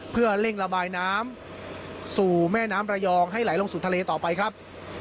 เพื่อเร่งระบายน้ำสู่แม่น้ำระยองให้ไหลลงสู่ทะเลต่อไปครับ